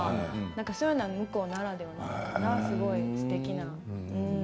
そういうのは向こうならではすごいすてきな。